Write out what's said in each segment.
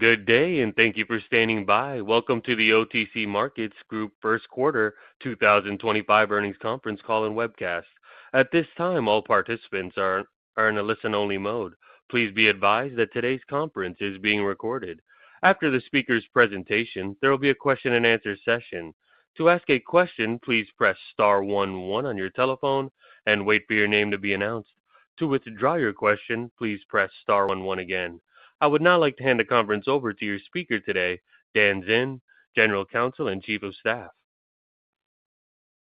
Good day, and thank you for standing by. Welcome to the OTC Markets Group First Quarter 2025 Earnings Conference Call and webcast. At this time, all participants are in a listen-only mode. Please be advised that today's conference is being recorded. After the speaker's presentation, there will be a question-and-answer session. To ask a question, please press star 11 on your telephone and wait for your name to be announced. To withdraw your question, please press star 11 again. I would now like to hand the conference over to your speaker today, Dan Zinn, General Counsel and Chief of Staff.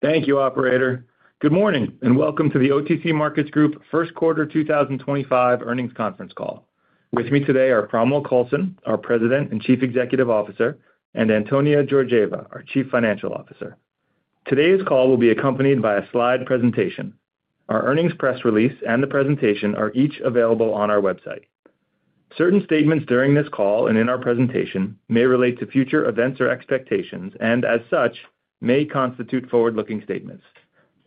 Thank you, Operator. Good morning and welcome to the OTC Markets Group First Quarter 2025 Earnings Conference Call. With me today are Cromwell Coulson, our President and Chief Executive Officer, and Antonia Georgieva, our Chief Financial Officer. Today's call will be accompanied by a slide presentation. Our earnings press release and the presentation are each available on our website. Certain statements during this call and in our presentation may relate to future events or expectations and, as such, may constitute forward-looking statements.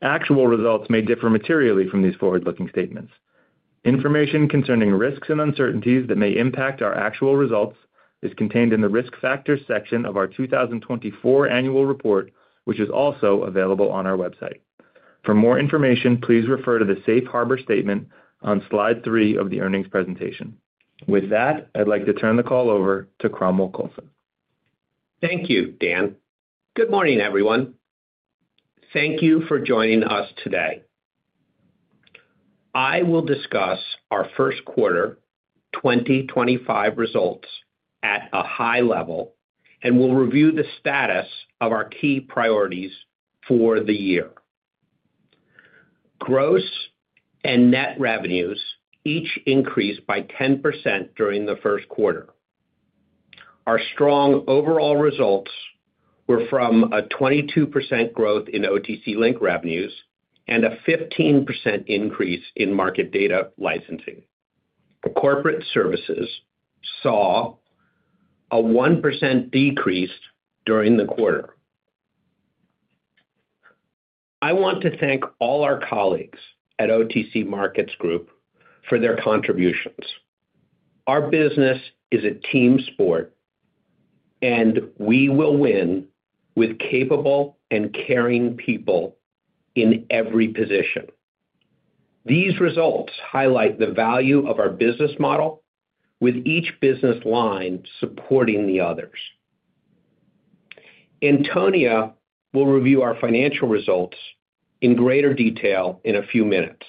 Actual results may differ materially from these forward-looking statements. Information concerning risks and uncertainties that may impact our actual results is contained in the risk factors section of our 2024 annual report, which is also available on our website. For more information, please refer to the safe harbor statement on slide three of the earnings presentation. With that, I'd like to turn the call over to Cromwell Coulson. Thank you, Dan. Good morning, everyone. Thank you for joining us today. I will discuss our first quarter 2025 results at a high level and will review the status of our key priorities for the year. Gross and net revenues, each increased by 10%, during the first quarter. Our strong overall results were from a 22%, growth in OTC Link revenues, and a 15%, increase in market data licensing. Corporate services, saw a 1%, decrease during the quarter. I want to thank all our colleagues at OTC Markets Group, for their contributions. Our business is a team sport, and we will win with capable and caring people in every position. These results highlight the value of our business model, with each business line supporting the others. Antonia, will review our financial results in greater detail in a few minutes.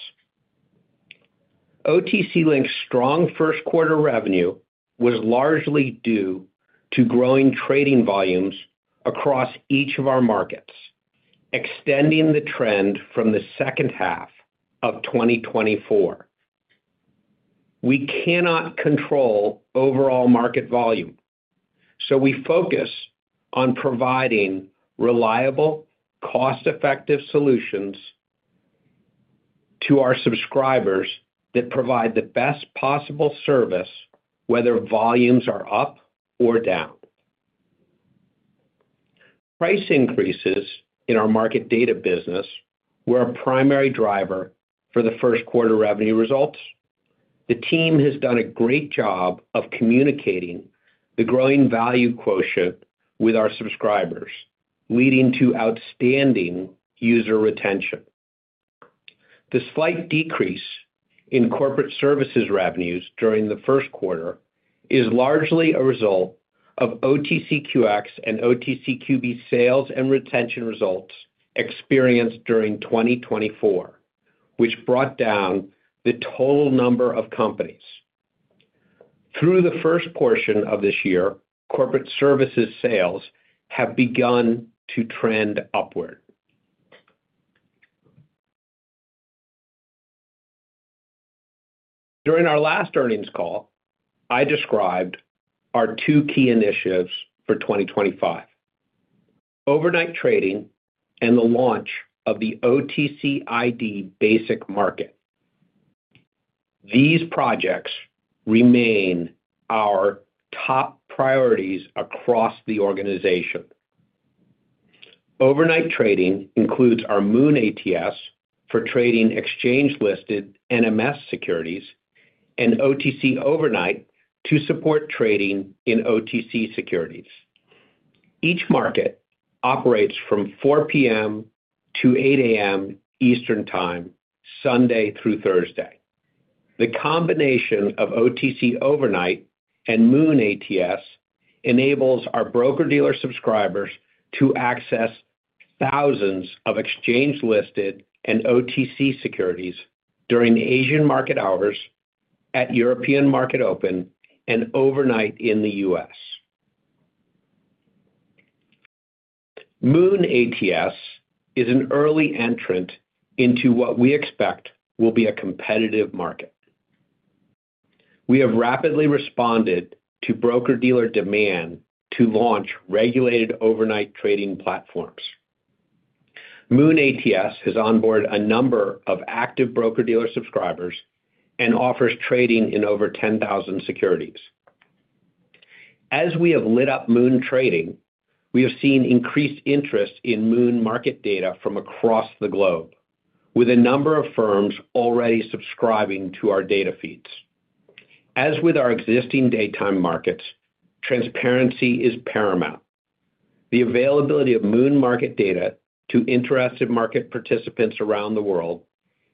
OTC Link's, strong first quarter revenue, was largely due to growing trading volumes across each of our markets, extending the trend from the second half of 2024. We cannot control overall market volume, so we focus on providing reliable, cost-effective solutions to our subscribers that provide the best possible service, whether volumes are up or down. Price increases in our market data business were a primary driver for the first quarter revenue results. The team has done a great job of communicating the growing value quotient with our subscribers, leading to outstanding user retention. The slight decrease in corporate services revenues during the first quarter is largely a result of OTCQX and OTCQB sales, and retention results experienced during 2024, which brought down the total number of companies. Through the first portion of this year, corporate services sales, have begun to trend upward. During our last earnings call, I described our two key initiatives for 2025: overnight trading and the launch of the OTC ID Basic Market. These projects remain our top priorities across the organization. Overnight trading includes our Moon ATS, for trading exchange-listed NMS securities and OTC Overnight, to support trading in OTC securities. Each market, operates from 4:00 P.M. to 8:00 A.M. Eastern Time, Sunday through Thursday. The combination of OTC Overnight and Moon ATS, enables our broker-dealer subscribers to access thousands of exchange-listed and OTC securities, during Asian market hours, at European market open, and overnight in the U.S. Moon ATS, is an early entrant into what we expect will be a competitive market. We have rapidly responded to broker-dealer demand to launch regulated overnight trading platforms. Moon ATS, has onboarded a number of active broker-dealer subscribers and offers trading in over 10,000 securities. As we have lit up Moon trading, we have seen increased interest in Moon market data, from across the globe, with a number of firms already subscribing to our data feeds. As with our existing daytime markets, transparency is paramount. The availability of Moon market data, to interested market participants around the world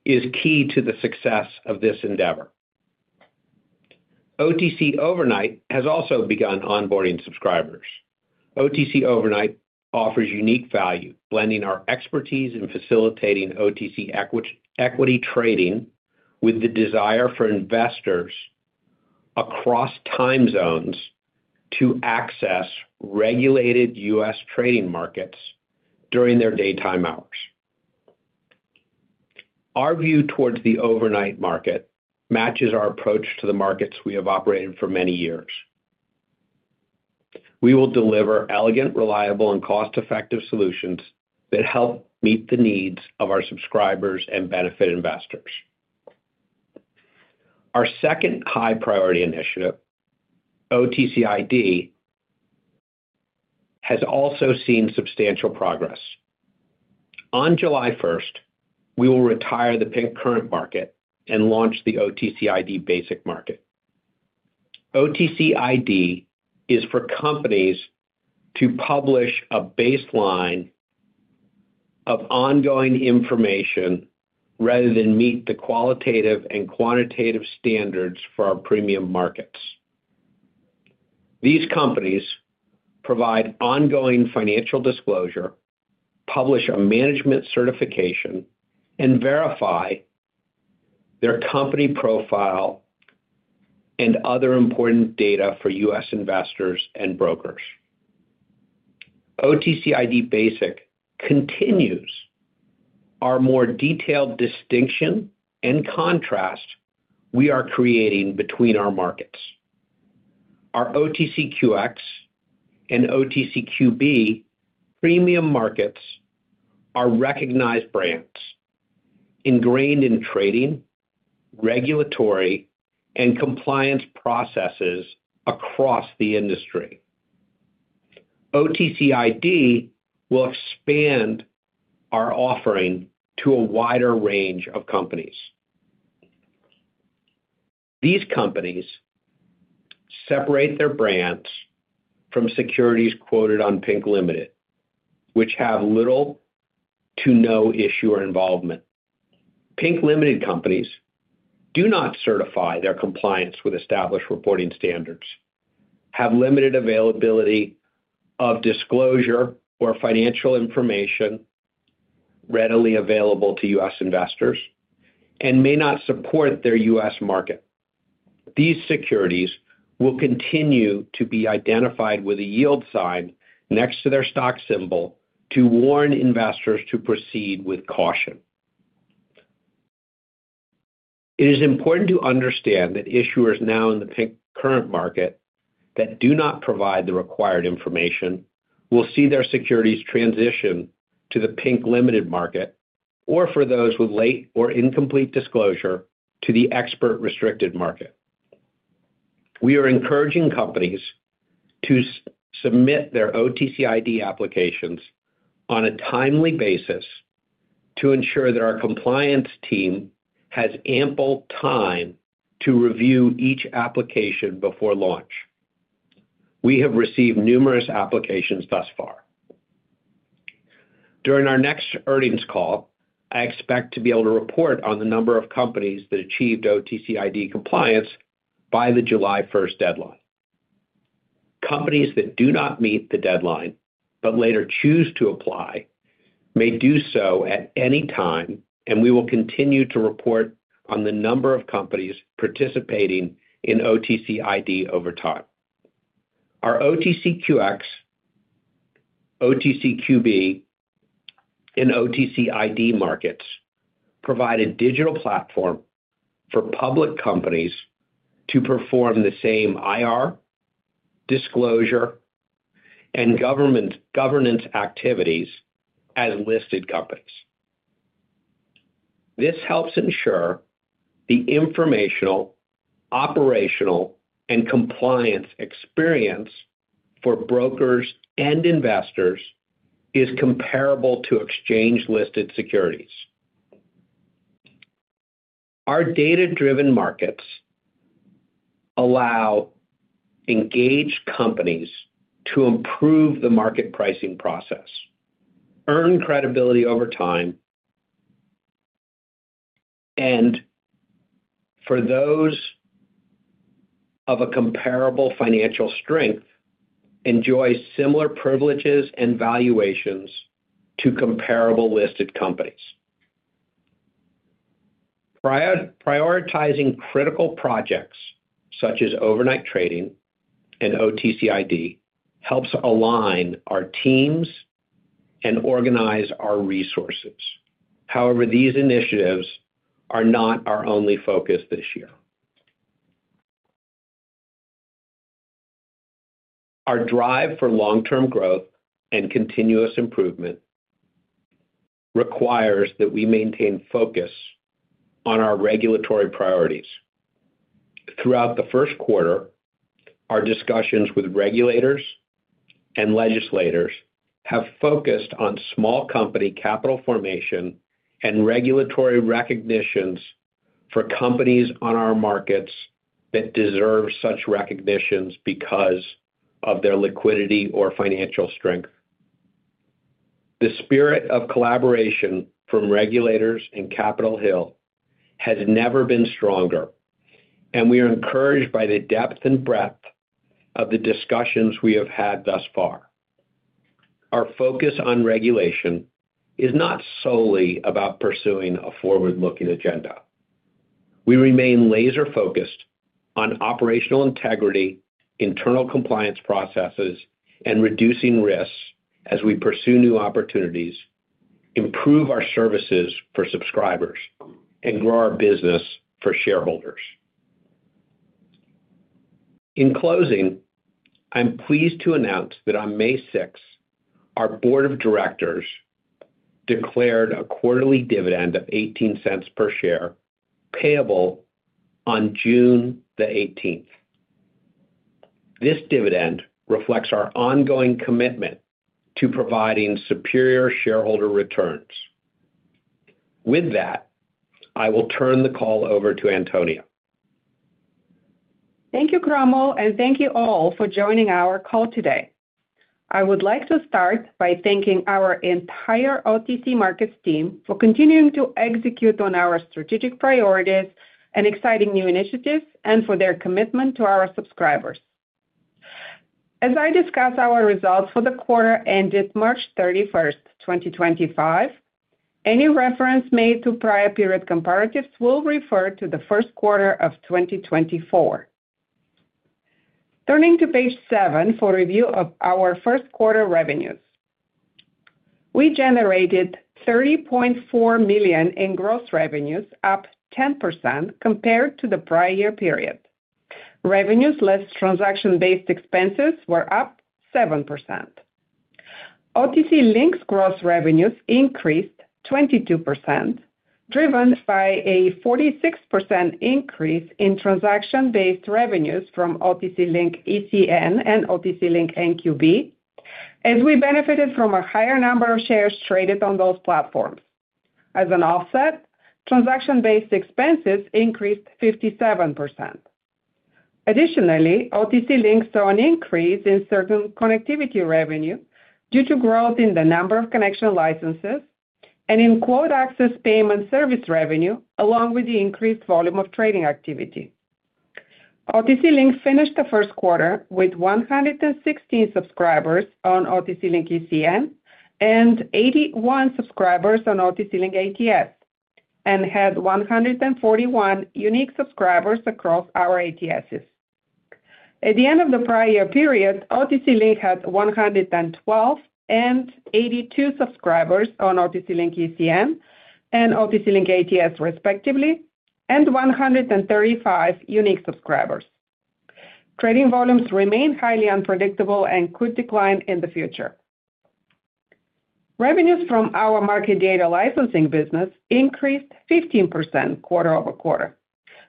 is key to the success of this endeavor. OTC Overnight, has also begun onboarding subscribers. OTC Overnight, offers unique value, blending our expertise in facilitating OTC equity trading, with the desire for investors across time zones to access regulated U.S. trading markets during their daytime hours. Our view towards the overnight market, matches our approach to the markets we have operated for many years. We will deliver elegant, reliable, and cost-effective solutions that help meet the needs of our subscribers and benefit investors. Our second high-priority initiative, OTC ID, has also seen substantial progress. On July 1, we will retire the current market and launch the OTC ID Basic Market. OTC ID, is for companies to publish a baseline of ongoing information rather than meet the qualitative and quantitative standards for our premium markets. These companies provide ongoing financial disclosure, publish a management certification, and verify their company profile and other important data for U.S. investors and brokers. OTC ID Basic, continues our more detailed distinction and contrast we are creating between our markets. Our OTCQX and OTCQB premium markets, are recognized brands ingrained in trading, regulatory, and compliance processes across the industry. OTC ID, will expand our offering to a wider range of companies. These companies separate their brands from securities quoted on Pink Limited, which have little to no issue or involvement. Pink Limited companies, do not certify their compliance with established reporting standards, have limited availability of disclosure or financial information readily available to U.S. investors, and may not support their U.S. market. These securities, will continue to be identified with a yield sign next to their stock symbol to warn investors to proceed with caution. It is important to understand that issuers now in the current market that do not provide the required information will see their securities transition to the Pink Limited market, or for those with late or incomplete disclosure, to the Expert Restricted market. We are encouraging companies to submit their OTC ID, applications on a timely basis to ensure that our compliance team has ample time to review each application before launch. We have received numerous applications thus far. During our next earnings call, I expect to be able to report on the number of companies that achieved OTC ID compliance, by the July 1 deadline. Companies that do not meet the deadline but later choose to apply may do so at any time, and we will continue to report on the number of companies participating in OTC ID, over time. Our OTC QX, OTC QB, and OTC ID markets, provide a digital platform for public companies to perform the same IR, disclosure, and governance activities as listed companies. This helps ensure the informational, operational, and compliance experience for brokers and investors is comparable to exchange-listed securities. Our data-driven markets allow engaged companies to improve the market pricing process, earn credibility over time, and for those of a comparable financial strength, enjoy similar privileges and valuations to comparable listed companies. Prioritizing critical projects ,such as overnight trading and OTC ID, helps align our teams and organize our resources. However, these initiatives are not our only focus this year. Our drive for long-term growth and continuous improvement requires that we maintain focus on our regulatory priorities. Throughout the first quarter, our discussions with regulators and legislators have focused on small company capital formation and regulatory recognitions for companies on our markets that deserve such recognitions because of their liquidity or financial strength. The spirit of collaboration from regulators and Capitol Hill, has never been stronger, and we are encouraged by the depth and breadth of the discussions we have had thus far. Our focus on regulation is not solely about pursuing a forward-looking agenda. We remain laser-focused on operational integrity, internal compliance processes, and reducing risks as we pursue new opportunities, improve our services for subscribers, and grow our business for shareholders. In closing, I'm pleased to announce that on May 6th, our board of directors declared a quarterly dividend, of $0.18 per share, payable on June the 18th. This dividend, reflects our ongoing commitment to providing superior shareholder returns. With that, I will turn the call over to Antonia. Thank you, Cromwell, and thank you all for joining our call today. I would like to start by thanking our entire OTC Markets team, for continuing to execute on our strategic priorities and exciting new initiatives, and for their commitment to our subscribers. As I discuss our results for the quarter ended March 31st, 2025, any reference made to prior period comparatives will refer to the first quarter of 2024. Turning to page seven, for review of our first quarter revenues, we generated $30.4 million, in gross revenues, up 10%, compared to the prior year period. Revenues, less transaction-based expenses, were up 7%. OTC Link's gross revenues, increased 22%, driven by a 46%, increase in transaction-based revenues, from OTC Link ECN and OTC Link NQB, as we benefited from a higher number of shares traded on those platforms. As an offset, transaction-based expenses, increased 57%. Additionally, OTC Link, saw an increase in certain connectivity revenue, due to growth in the number of connection licenses and in quote access payment service revenue, along with the increased volume of trading activity. OTC Link, finished the first quarter with 116 subscribers on OTC Link ECN and 81 subscribers on OTC Link ATS, and had 141 unique subscribers across our ATSs. At the end of the prior year period, OTC Link had 112 and 82 subscribers on OTC Link ECN and OTC Link ATS, respectively, and 135 unique subscribers. Trading volumes, remain highly unpredictable and could decline in the future. Revenues, from our market data licensing business, increased 15%, quarter over quarter,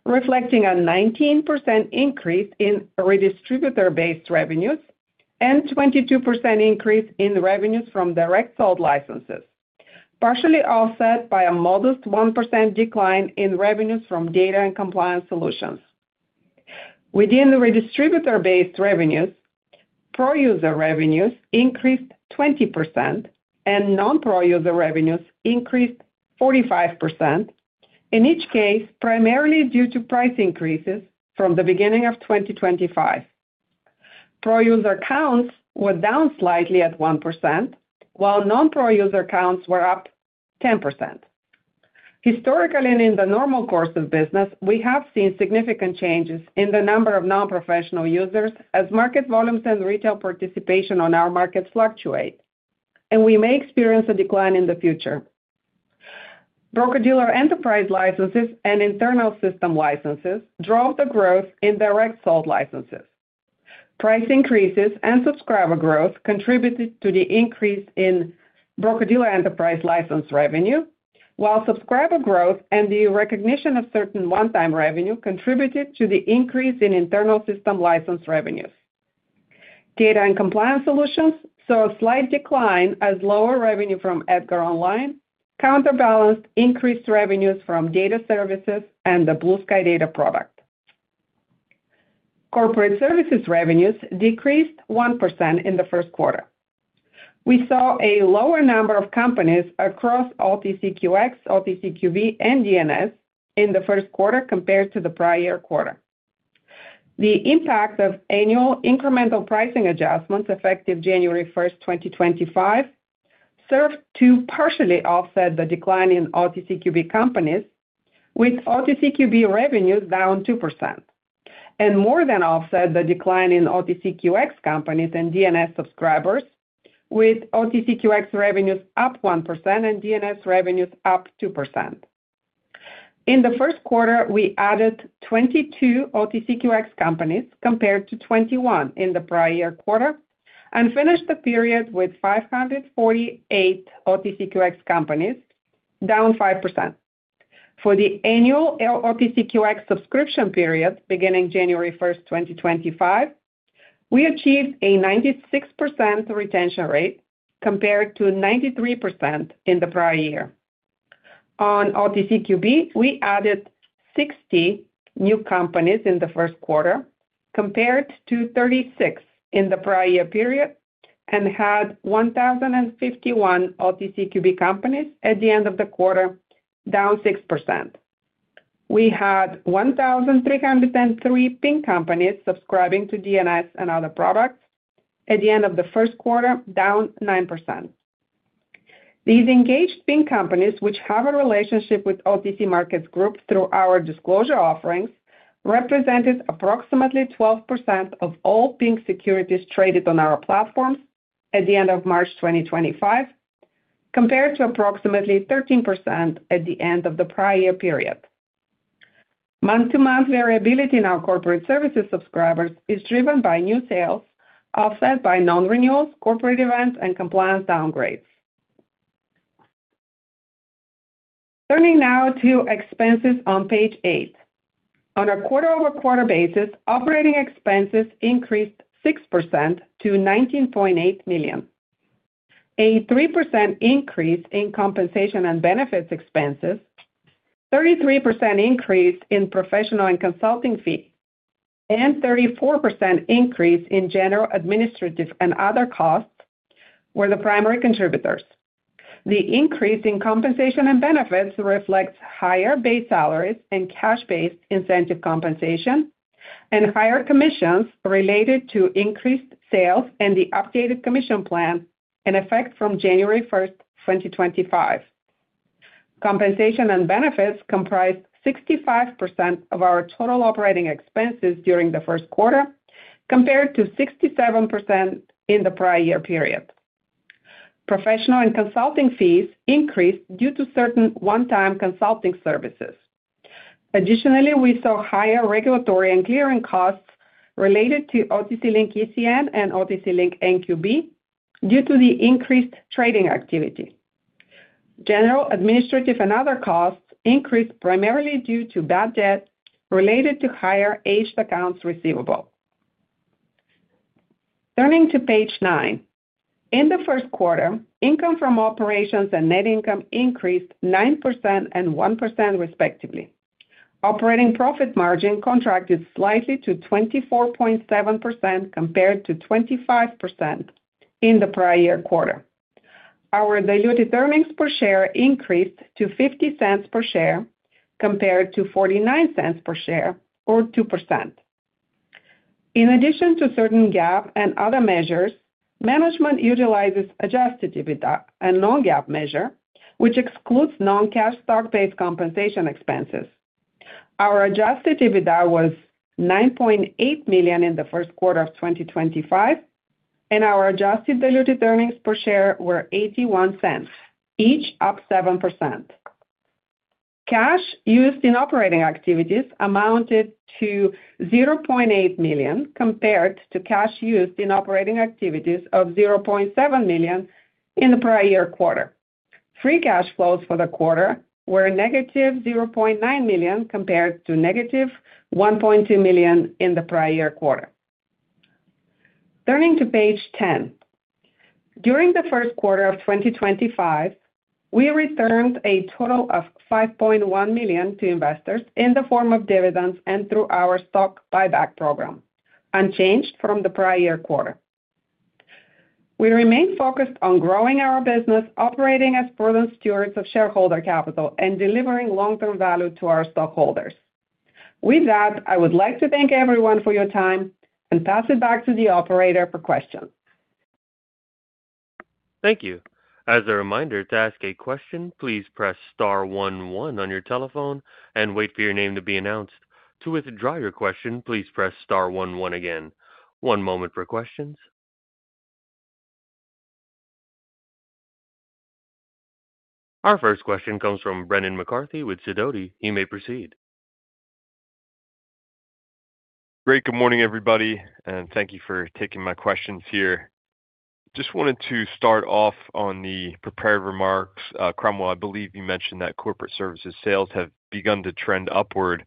reflecting a 19%, increase in redistributor-based revenues, and a 22%, increase in revenues, from direct sold licenses, partially offset by a modest 1%, decline in revenues, from data and compliance solutions. Within the redistributor-based revenues, pro-user revenues,, increased 20%, and non-pro-user revenues increased 45%, in each case primarily due to price increases, from the beginning of 2025. Pro-user, counts were down slightly at 1%, while non-pro-user counts were up 10%. Historically, and in the normal course of business, we have seen significant changes in the number of non-professional users as market volumes, and retail participation on our markets fluctuate, and we may experience a decline in the future. Broker-dealer enterprise licenses and internal system licenses, drove the growth in direct sold licenses. Price increases and subscriber growth, contributed to the increase in broker-dealer enterprise license revenue, while subscriber growth and the recognition of certain one-time revenue, contributed to the increase in internal system license revenues. Data and compliance solutions, saw a slight decline as lower revenue from EdgarOnline counterbalanced increased revenues, from data services and the Blue Sky Data product. Corporate services revenues, decreased 1%, in the first quarter. We saw a lower number of companies across OTCQX, OTCQB, and DNS in the first quarter compared to the prior quarter. The impact of annual incremental pricing adjustments, effective January 1, 2025, served to partially offset the decline in OTC QB companies, with OTC QB revenues, down 2%, and more than offset the decline in OTC QX companies and DNS subscribers, with OTC QX revenues, up 1% ,and DNS revenues, up 2%. In the first quarter, we added 22 OTC QX companies compared to 21 in the prior quarter and finished the period with 548 OTC QX companies, down 5%. For the annual OTC QX subscription, period beginning January 1, 2025, we achieved a 96%, retention rate compared to 93%, in the prior year. On OTC QB, we added 60 new companies in the first quarter compared to 36 in the prior year period and had 1,051 OTC QB companies, at the end of the quarter, down 6%. We had 1,303 Pink companies subscribing to DNS and other products at the end of the first quarter, down 9%. These engaged Pink companies, which have a relationship with OTC Markets Group, through our disclosure offerings, represented approximately 12%, of all Pink securities, traded on our platforms at the end of March 2025, compared to approximately 13%, at the end of the prior year period. Month-to-month variability in our corporate services subscribers, is driven by new sales, offset by non-renewals, corporate events, and compliance downgrades. Turning now to expenses on page eight. On a quarter-over-quarter basis, operating expenses, increased 6%, to $19.8 million, a 3%, increase in compensation and benefits expenses, a 33%, increase in professional and consulting fees, and a 34%, increase in general administrative and other costs, were the primary contributors. The increase in compensation and benefits reflects higher base salaries and cash-based incentive compensation, and higher commissions related to increased sales and the updated commission plan, in effect from January 1, 2025. Compensation and benefits, comprised 65%, of our total operating expenses, during the first quarter, compared to 67%, in the prior year period. Professional and consulting fees, increased due to certain one-time consulting services. Additionally, we saw higher regulatory and clearing costs related to OTC Link ECN and OTC Link NQB,, due to the increased trading activity. General administrative and other costs increased primarily due to bad debt related to higher aged accounts receivable. Turning to page nine, in the first quarter, income from operations and net income, increased 9% and 1%, respectively. Operating profit margin, contracted slightly to 24.7%, compared to 25%, in the prior year quarter. Our diluted earnings per share, increased to $0.50 per share, compared to $0.49 per share, or 2%. In addition to certain GAAP and other measures, management utilizes adjusted EBITDA, a non-GAAP measure, which excludes non-cash stock-based compensation expenses. Our adjusted EBITDA, was $9.8 million, in the first quarter of 2025, and our adjusted diluted earnings per share, were $0.81, each up 7%. Cash used in operating activities, amounted to $0.8 million, compared to cash used in operating activities, of $0.7 million, in the prior year quarter. Free cash flows, for the quarter were negative $0.9 million, compared to negative $1.2 million, in the prior year quarter. Turning to page ten, during the first quarter of 2025, we returned a total of $5.1 million, to investors in the form of dividends and through our stock buyback program, unchanged from the prior year quarter. We remain focused on growing our business, operating as proven stewards of shareholder capital, and delivering long-term value to our stockholders. With that, I would like to thank everyone for your time and pass it back to the operator for questions. Thank you. As a reminder, to ask a question, please press star 11 on your telephone and wait for your name to be announced. To withdraw your question, please press star 11 again. One moment for questions. Our first question comes from Brendan McCarthy, with Sidoti. You may proceed. Great. Good morning, everybody. Thank you for taking my questions here. Just wanted to start off on the prepared remarks. Cromwell, I believe you mentioned that corporate services sales, have begun to trend upward.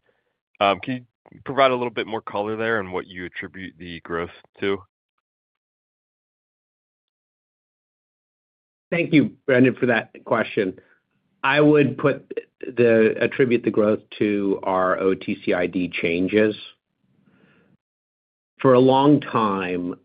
Can you provide a little bit more color there and what you attribute the growth to? Thank you, Brendan, for that question. I would attribute the growth to our OTC ID changes. For a long time,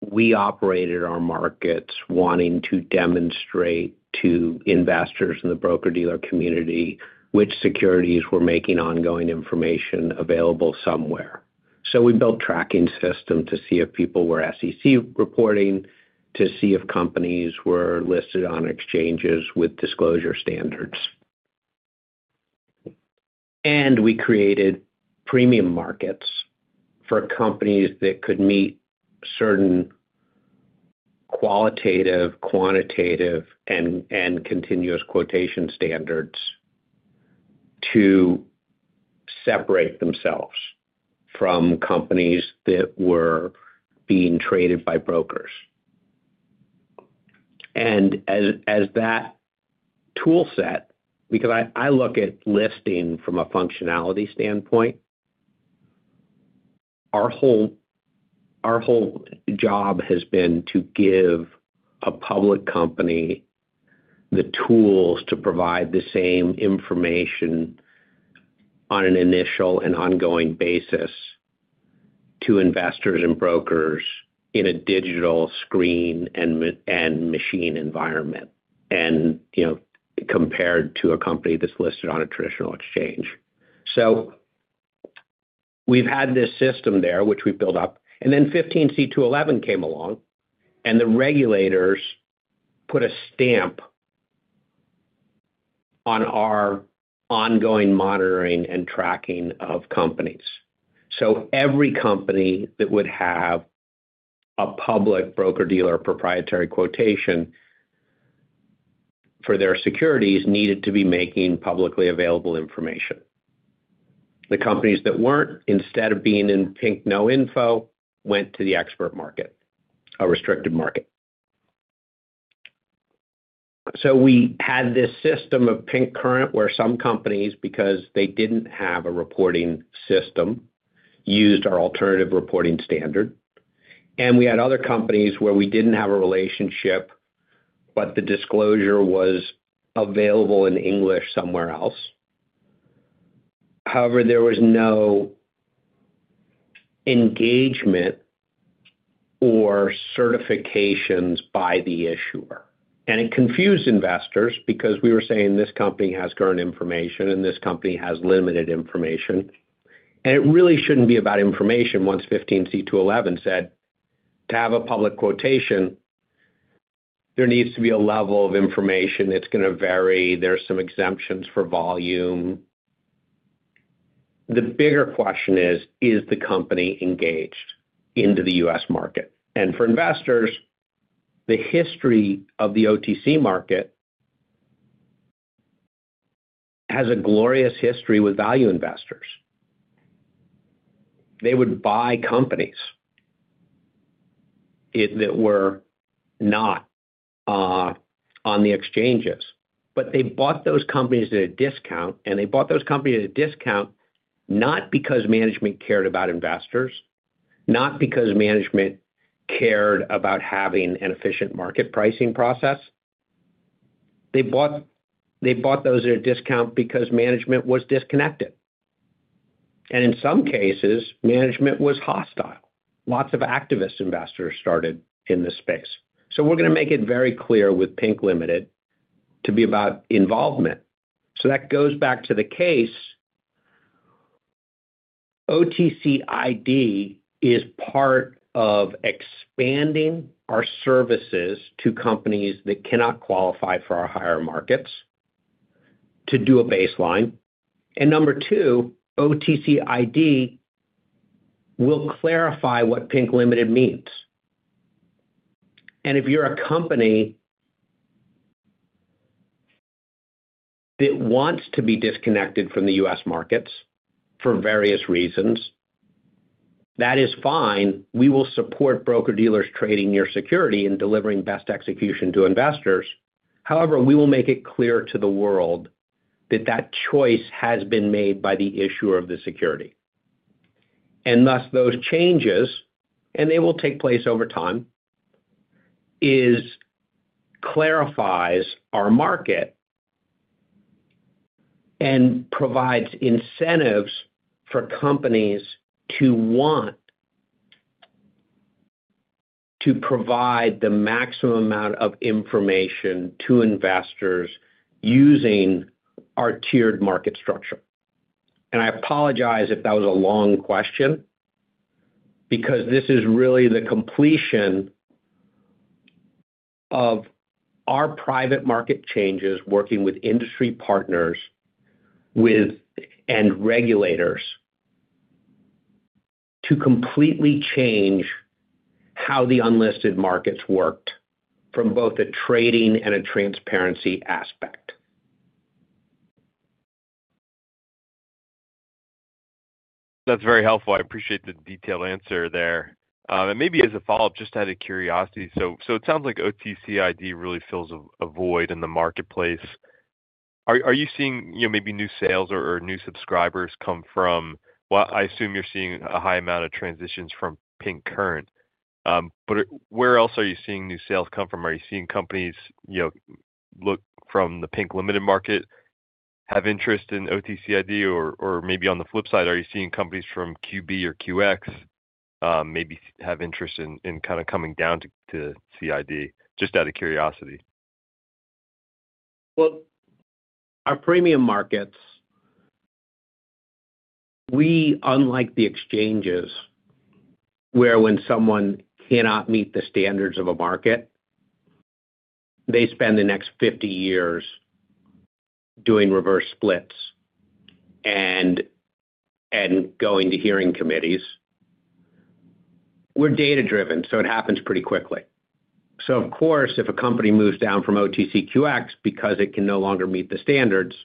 we operated our markets wanting to demonstrate to investors in the broker-dealer community which securities were making ongoing information available somewhere. We built tracking systems to see if people were SEC reporting, to see if companies were listed on exchanges with disclosure standards. We created premium markets, for companies that could meet certain qualitative, quantitative, and continuous quotation standards to separate themselves from companies that were being traded by brokers. As that tool set, because I look at listing from a functionality standpoint, our whole job has been to give a public company the tools to provide the same information on an initial and ongoing basis to investors and brokers in a digital screen and machine environment, and compared to a company that's listed on a traditional exchange. We've had this system there, which we built up, and then 15c2-11 came along, and the regulators put a stamp on our ongoing monitoring and tracking of companies. Every company that would have a public broker-dealer proprietary quotation for their securities needed to be making publicly available information. The companies that were not, instead of being in Pink no info, went to the expert market, a restricted market. We had this system of Pink Current, where some companies, because they did not have a reporting system, used our alternative reporting standard. We had other companies where we did not have a relationship, but the disclosure was available in English somewhere else. However, there was no engagement or certifications by the issuer. It confused investors because we were saying this company has current information and this company has limited information. It really should not be about information once 15c2-11, said to have a public quotation, there needs to be a level of information that is going to vary. There are some exemptions for volume. The bigger question is, is the company engaged into the U.S. market? For investors, the history of the OTC market, has a glorious history with value investors. They would buy companies that were not on the exchanges, but they bought those companies at a discount. They bought those companies at a discount not because management cared about investors, not because management cared about having an efficient market pricing process. They bought those at a discount because management was disconnected. In some cases, management was hostile. Lots of activist investors started in this space. We are going to make it very clear with Pink Limited, to be about involvement. That goes back to the case. OTC ID, is part of expanding our services to companies that cannot qualify for our higher markets to do a baseline. Number two, OTC ID, will clarify what Pink Limited means. If you're a company that wants to be disconnected from the U.S. markets, for various reasons, that is fine. We will support broker-dealers trading your security and delivering best execution to investors. However, we will make it clear to the world that that choice has been made by the issuer of the security. Thus, those changes, and they will take place over time, clarify our market and provide incentives for companies to want to provide the maximum amount of information to investors using our tiered market structure. I apologize if that was a long question because this is really the completion of our private market changes working with industry partners and regulators to completely change how the unlisted markets worked from both a trading and a transparency aspect. That's very helpful. I appreciate the detailed answer there. Maybe as a follow-up, just out of curiosity, it sounds like OTC ID, really fills a void in the marketplace. Are you seeing maybe new sales or new subscribers come from—I assume you're seeing a high amount of transitions from Pink Current. Where else are you seeing new sales come from? Are you seeing companies look from the Pink Limited market, have interest in OTC ID? Maybe on the flip side, are you seeing companies from QB or QX have interest, in kind of coming down to CID, just out of curiosity? Our premium markets, we, unlike the exchanges, where when someone cannot meet the standards of a market, they spend the next 50 years doing reverse splits and going to hearing committees. We're data-driven, so it happens pretty quickly. Of course, if a company moves down from OTC QX, because it can no longer meet the standards,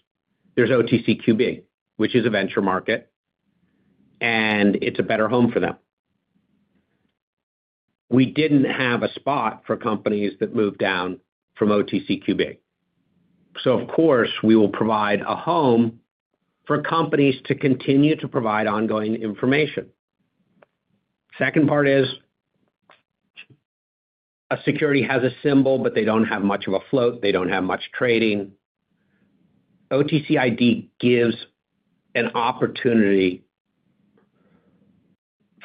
there's OTC QB, which is a venture market, and it's a better home for them. We didn't have a spot for companies that moved down from OTC QB. Of course, we will provide a home for companies to continue to provide ongoing information. Second part is a security has a symbol, but they don't have much of a float. They don't have much trading. OTC ID, gives an opportunity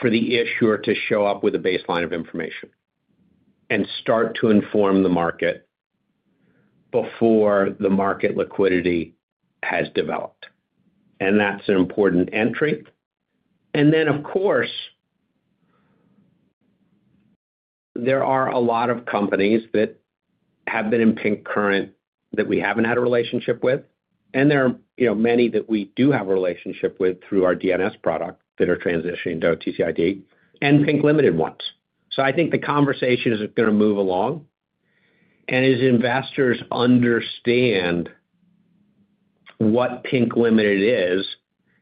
for the issuer to show up with a baseline of information and start to inform the market before the market liquidity has developed. That is an important entry. There are a lot of companies that have been in Pink Current, that we have not had a relationship with, and there are many that we do have a relationship with through our DNS product, that are transitioning to OTC ID and Pink Limited ones. I think the conversation is going to move along. As investors understand what Pink Limited, is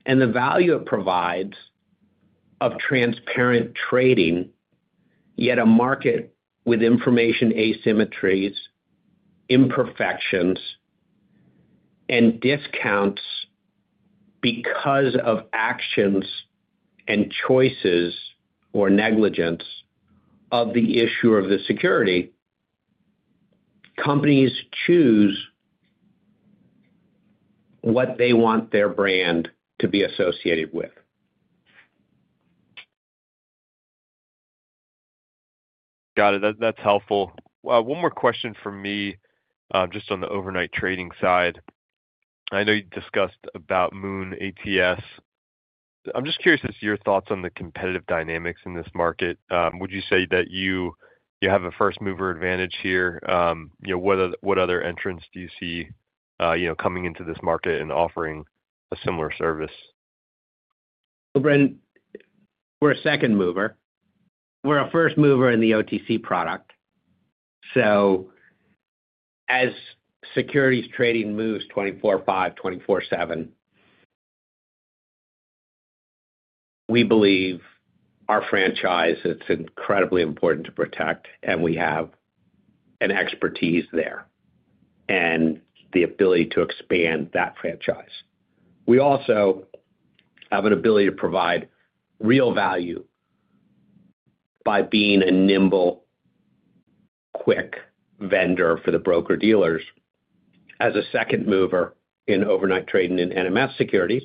and the value it provides of transparent trading, yet a market with information asymmetries, imperfections, and discounts because of actions and choices or negligence of the issuer of the security, companies choose what they want their brand to be associated with. Got it. That is helpful. One more question for me, just on the overnight trading side. I know you discussed about Moon ATS. I'm just curious as to your thoughts on the competitive dynamics in this market. Would you say that you have a first mover advantage here? What other entrants do you see coming into this market and offering a similar service? Brendan, we're a second mover. We're a first mover in the OTC product. As securities trading moves 24/5, 24/7, we believe our franchise, it's incredibly important to protect, and we have an expertise there and the ability to expand that franchise. We also have an ability to provide real value by being a nimble, quick vendor for the broker-dealers as a second mover in overnight trading in NMS securities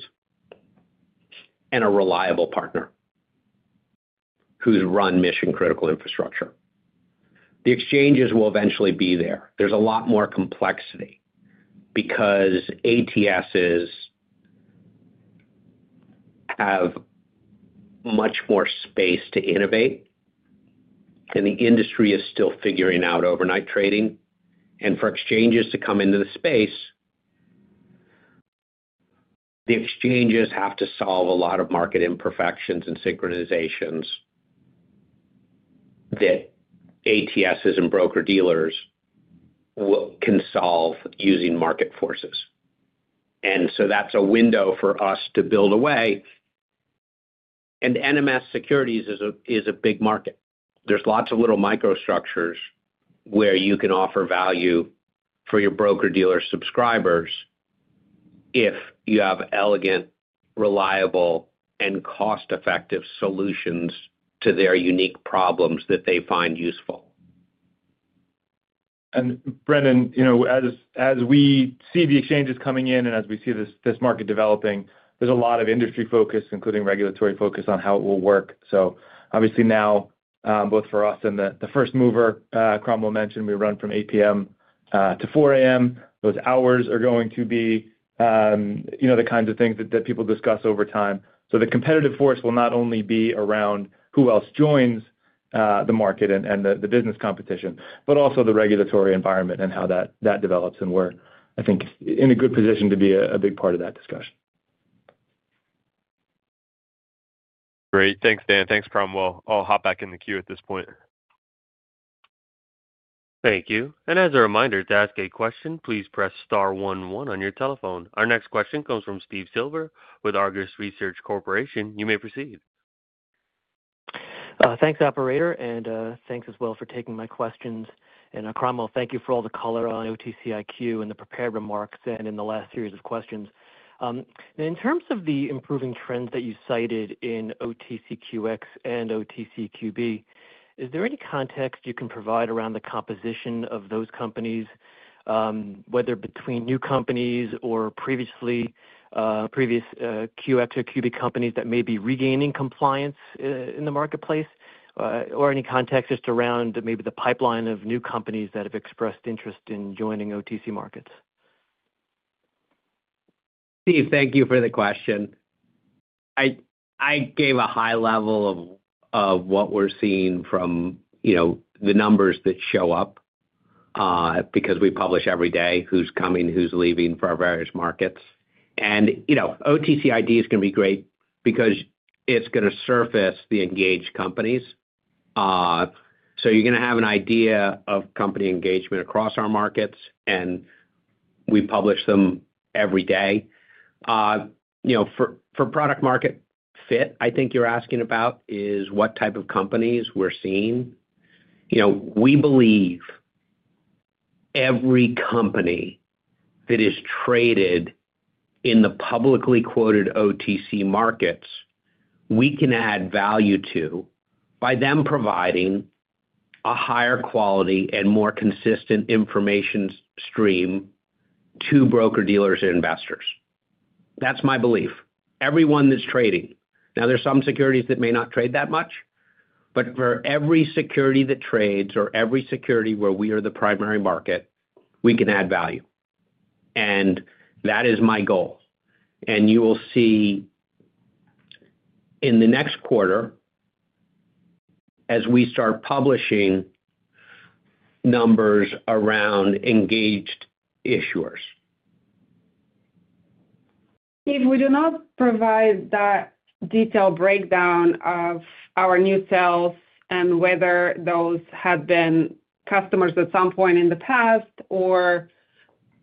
and a reliable partner, who's run mission-critical infrastructure. The exchanges will eventually be there. There's a lot more complexity because ATSs, have much more space to innovate, and the industry is still figuring out overnight trading. For exchanges to come into the space, the exchanges have to solve a lot of market imperfections and synchronizations that ATSs and broker-dealers, can solve using market forces. That's a window for us to build away. NMS securities, is a big market. There are lots of little microstructures where you can offer value for your broker-dealer subscribers if you have elegant, reliable, and cost-effective solutions, to their unique problems that they find useful. Brendan, as we see the exchanges coming in and as we see this market developing, there's a lot of industry focus, including regulatory focus, on how it will work. Obviously now, both for us and the first mover Cromwell mentioned, we run from 8:00 P.M. to 4:00 A.M. Those hours are going to be the kinds of things that people discuss over time. The competitive force will not only be around who else joins the market and the business competition, but also the regulatory environment and how that develops. We are, I think, in a good position to be a big part of that discussion. Great. Thanks, Dan. Thanks, Cromwell. I'll hop back in the queue at this point. Thank you. As a reminder, to ask a question, please press star 11 on your telephone. Our next question comes from Steve Silver, with Argus Research Corporation. You may proceed. Thanks, operator. Thanks as well for taking my questions. Cromwell, thank you for all the color on OTC IQ, and the prepared remarks and in the last series of questions. In terms of the improving trends that you cited in OTCQX and OTCQB, is there any context you can provide around the composition of those companies, whether between new companies or previously QX or QB companies, that may be regaining compliance in the marketplace, or any context just around maybe the pipeline of new companies that have expressed interest in joining OTC Markets? Steve, thank you for the question. I gave a high level of what we're seeing from the numbers that show up because we publish every day who's coming, who's leaving for our various markets. OTC ID, is going to be great because it's going to surface the engaged companies. You are going to have an idea of company engagement across our markets, and we publish them every day. For product-market fit, I think you're asking about is what type of companies we're seeing. We believe every company that is traded in the publicly quoted OTC markets, we can add value to by them providing a higher quality and more consistent information stream to broker-dealers and investors. That's my belief. Everyone that's trading. Now, there are some securities that may not trade that much, but for every security that trades or every security where we are the primary market, we can add value. That is my goal. You will see in the next quarter as we start publishing numbers around engaged issuers. If we do not provide that detailed breakdown of our new sales and whether those have been customers at some point in the past or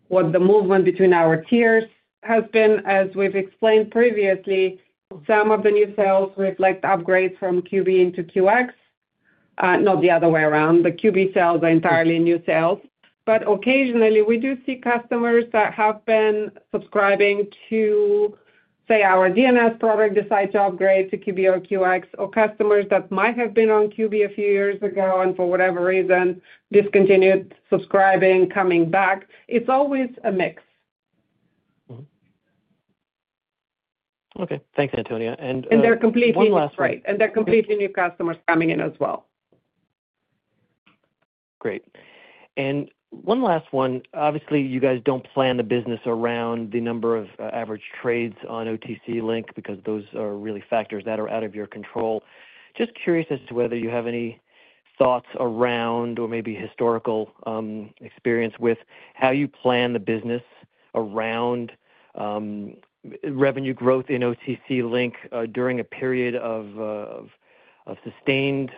what the movement between our tiers has been, as we have explained previously, some of the new sales reflect upgrades from QB into QX. Not the other way around. The QB sales, are entirely new sales. Occasionally, we do see customers that have been subscribing to, say, our DNS product, decide to upgrade to QB or QX, or customers that might have been on QB, a few years ago and for whatever reason discontinued subscribing, coming back. It is always a mix. Okay. Thanks, Antonia.One last one. There are completely new customers coming in as well. Great. One last one. Obviously, you guys do not plan the business around the number of average trades on OTC Link, because those are really factors that are out of your control. Just curious as to whether you have any thoughts around or maybe historical experience with how you plan the business around revenue growth in OTC Link, during a period of sustained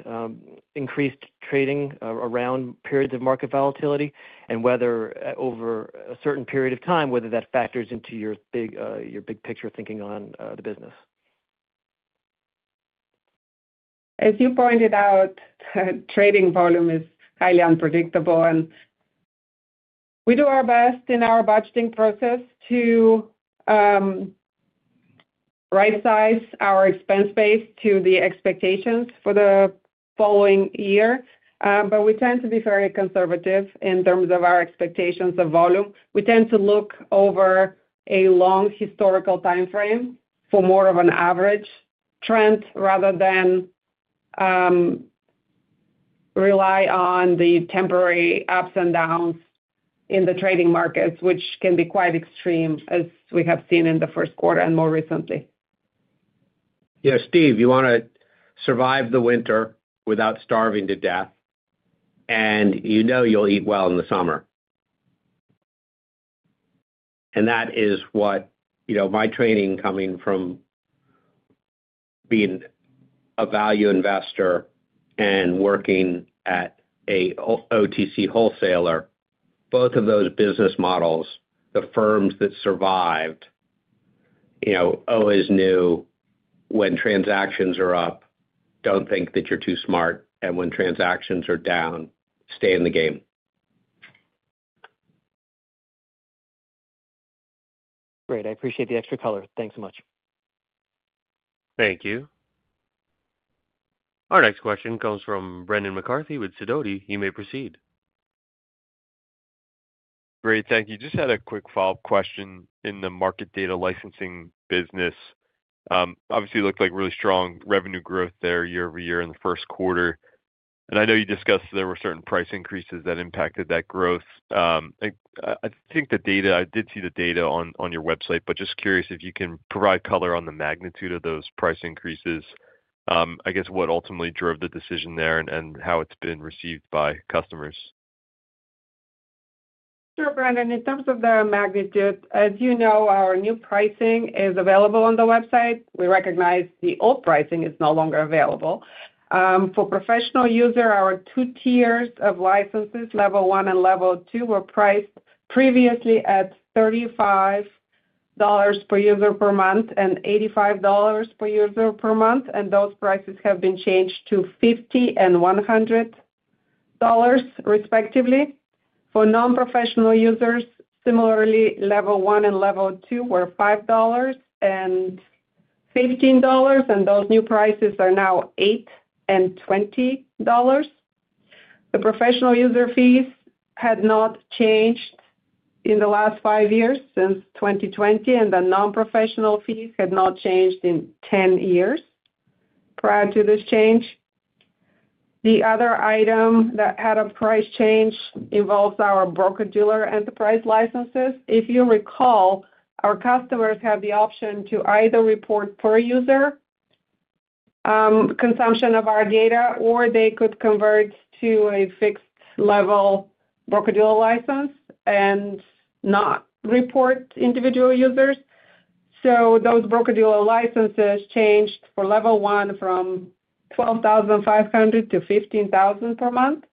increased trading around periods of market volatility and whether over a certain period of time, whether that factors into your big picture thinking on the business. As you pointed out, trading volume is highly unpredictable, and we do our best in our budgeting process to right-size our expense base to the expectations for the following year. We tend to be very conservative in terms of our expectations of volume. We tend to look over a long historical timeframe for more of an average trend rather than rely on the temporary ups and downs in the trading markets, which can be quite extreme, as we have seen in the first quarter and more recently. Yeah. Steve, you want to survive the winter without starving to death, and you know you'll eat well in the summer. That is what my training coming from being a value investor and working at an OTC wholesaler, both of those business models, the firms that survived always knew when transactions are up, don't think that you're too smart, and when transactions are down, stay in the game. Great. I appreciate the extra color. Thanks so much. Thank you. Our next question comes from Brendan McCarthy, with Sidoti. You may proceed. Great. Thank you. Just had a quick follow-up question in the market data licensing business. Obviously, it looked like really strong revenue growth, there year over year in the first quarter. I know you discussed there were certain price increases that impacted that growth. I think the data, I did see the data on your website, but just curious if you can provide color on the magnitude of those price increases, I guess what ultimately drove the decision there and how it's been received by customers. Sure, Brendan. In terms of the magnitude, as you know, our new pricing, is available on the website. We recognize the old pricing is no longer available. For professional users, our two tiers of licenses, level one and level two, were priced previously at $35 per user, per month and $85 per user, per month. Those prices have been changed to $50 and $100 respectively. For non-professional users, similarly, level one and level two were $5 and $15, and those new prices are now $8 and $20. The professional user fees had not changed in the last five years since 2020, and the non-professional fees had not changed in 10 years prior to this change. The other item that had a price change involves our broker-dealer enterprise licenses. If you recall, our customers have the option to either report per user consumption of our data, or they could convert to a fixed-level broker-dealer license and not report individual users. So those broker-dealer licenses changed for level one from $12,500 to $15,000 per month,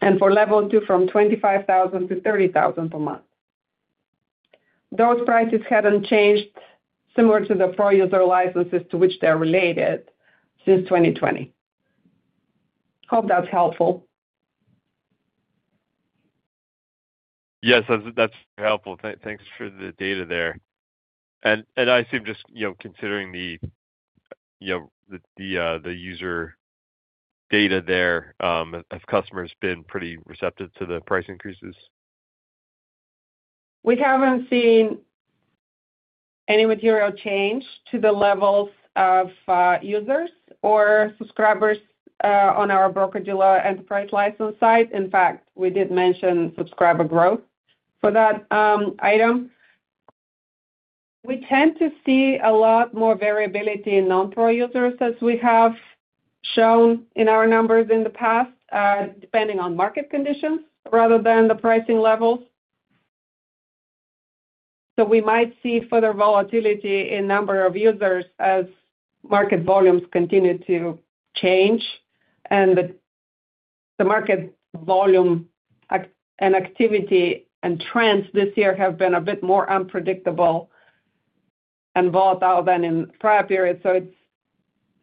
and for level two from $25,000 to $30,000 per month. Those prices had not changed, similar to the pro user licenses to which they are related, since 2020. Hope that is helpful. Yes, that is very helpful. Thanks for the data there. I assume just considering the user data there, have customers been pretty receptive to the price increases? We haven't seen any material change to the levels of users or subscribers on our broker-dealer enterprise license site. In fact, we did mention subscriber growth for that item. We tend to see a lot more variability in non-pro users, as we have shown in our numbers in the past, depending on market conditions rather than the pricing levels. We might see further volatility in number of users as market volumes continue to change. The market volume and activity and trends this year have been a bit more unpredictable and volatile than in prior periods. It's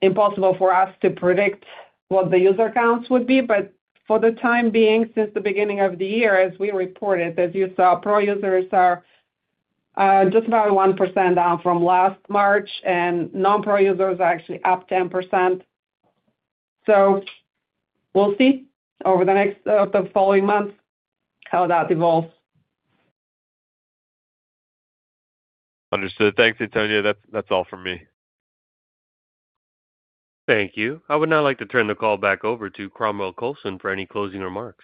impossible for us to predict what the user counts would be. For the time being, since the beginning of the year, as we reported, as you saw, pro users are just about 1%, down from last March, and non-pro users are actually up 10%. We'll see over the next of the following months how that evolves. Understood. Thanks, Antonia. That's all from me. Thank you. I would now like to turn the call back over to Cromwell Coulson for any closing remarks.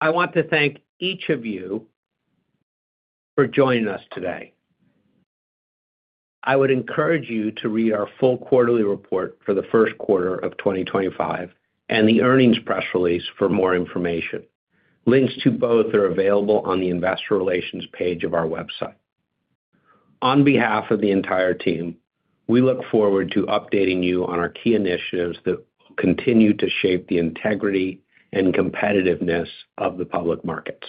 I want to thank each of you for joining us today. I would encourage you to read our full quarterly report for the first quarter of 2025 and the earnings press release for more information. Links to both are available on the investor relations page of our website. On behalf of the entire team, we look forward to updating you on our key initiatives that will continue to shape the integrity and competitiveness of the public markets.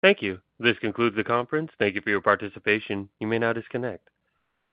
Thank you. This concludes the conference. Thank you for your participation. You may now disconnect.